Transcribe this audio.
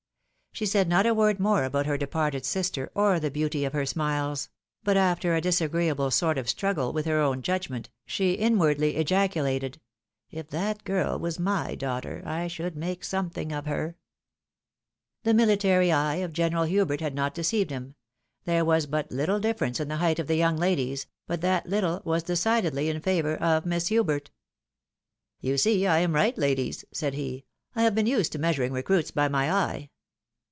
She said not a word more about her departed sister, or the beauty of her smiles ; but after a disagreeable sort of struggle with her own judgment, she THE YOUNG LADIES MEASURE HEIGHT. 109 in vrai'dly ejaculated, " If that girl was my daughter, I should make sometliiug of her." The military eye of General Hubert had not deceived him. There was but little difference in the height of the young ladies, but that little was decidedly in favour of Miss Hubert. " You see I am right, ladies," said he ; "I have been used to measuring recruits by my eye."